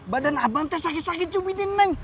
badan abang teh sakit sakit cuy bidin neng